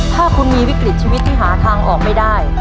ถ้าคุณมีวิกฤตชีวิตที่หาทางออกไม่ได้